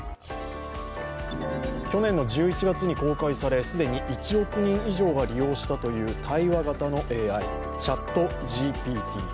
去年の１１月に公開され、既に１億人以上が利用したという対話型のＡＩ、ＣｈａｔＧＰＴ。